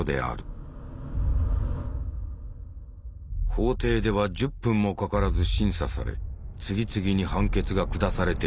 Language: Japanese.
法廷では１０分もかからず審査され次々に判決が下されていった。